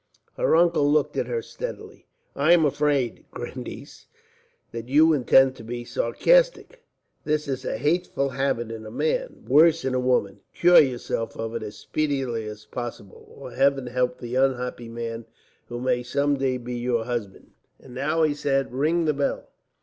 Her uncle looked at her steadily. "I am afraid, Grandniece, that you intend to be sarcastic. This is a hateful habit in a man, worse in a woman. Cure yourself of it as speedily as possible, or Heaven help the unhappy man who may some day be your husband. "And now," he said, "ring the bell.